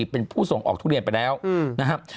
เป็นผู้ส่งออกทุเรียนไปแล้วนะครับ